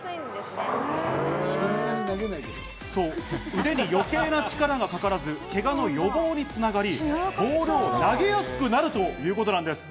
腕に余計な力がかからず、けがの予防につながり、ボールを投げやすくなるということなんです。